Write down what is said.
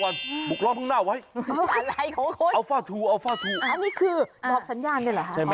อันนี้คือบอกสัญญาณด้วยหรอฮะ